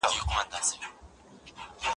ښايي چنار ستورو ته کيسه کوي